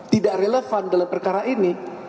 tidak relevan dalam perkara ini